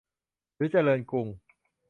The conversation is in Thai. หรือเจริญกรุง